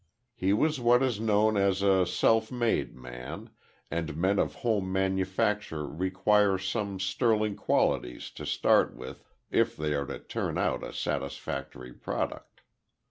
He was what is known as a self made man, and men of home manufacture require some sterling qualities to start with if they are to turn out a satisfactory product.